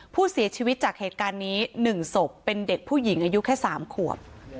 ผู้เสียชีวิตจากเหตุการณ์นี้๑ศพเป็นเด็กผู้หญิงอายุแค่๓ขวบ